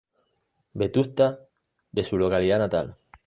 Vetusta de su localidad natal.